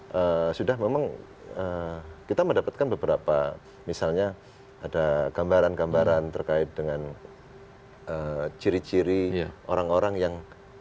jadi sudah memang kita mendapatkan beberapa misalnya ada gambaran gambaran terkait dengan ciri ciri orang orang yang